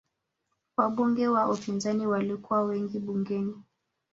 Wabunge wa upinzani walikuwa wengi bungeni